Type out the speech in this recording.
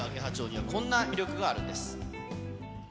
蝶にはこんな魅力があるんです。